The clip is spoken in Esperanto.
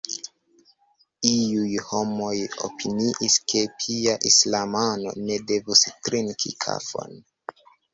Iuj homoj opiniis, ke pia islamano ne devus trinki kafon.